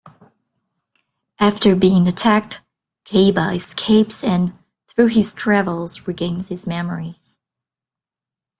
After being attacked, Kaiba escapes and, through his travels, regains his memories.